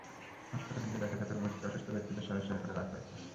হাসপাতালে গিয়ে দেখা যায়, তরমুজ খেয়ে অসুস্থ ব্যক্তিদের সারি সারি করে রাখা হয়েছে।